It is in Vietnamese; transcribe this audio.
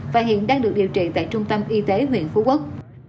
và hiện đang được điều trị tại trung tâm y tế huyện phú quốc